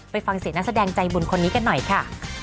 ไปฟังเสียงนักแสดงใจบุญคนนี้กันหน่อยค่ะ